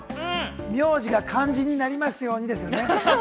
名字が漢字になりますようにですね。